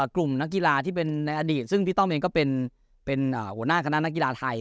กลุ่มนักกีฬาที่เป็นในอดีตซึ่งพี่ต้อมเองก็เป็นหัวหน้าคณะนักกีฬาไทย